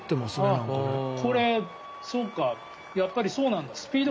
これやっぱりそうなんだ。